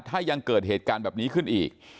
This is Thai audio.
ถ้ายังเกิดเหตุการณ์แบบนี้ขึ้นอีก